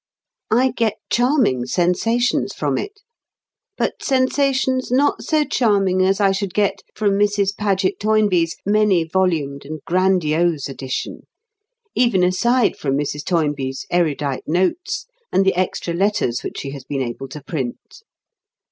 I get charming sensations from it, but sensations not so charming as I should get from Mrs. Paget Toynbee's many volumed and grandiose edition, even aside from Mrs. Toynbee's erudite notes and the extra letters which she has been able to print.